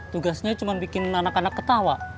tugasnya cuma bikin anak anak ketawa